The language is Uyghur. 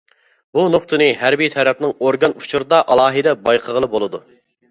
بۇ نۇقتىنى ھەربىي تەرەپنىڭ ئورگان ئۇچۇرىدا ئالاھىدە بايقىغىلى بولىدۇ.